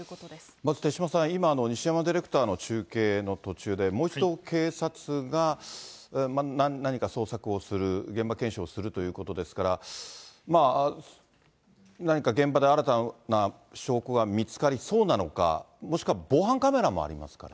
まず手嶋さん、今、西山ディレクターの中継の途中で、もう一度警察が何か捜索をする、現場検証するということですから、まあ、何か現場で新たな証拠が見つかりそうなのか、もしくは防犯カメラもありますから。